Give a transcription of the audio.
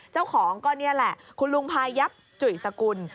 เจ้าของก็นี่แหละคุณลุงพายับจุ๋ยสกุล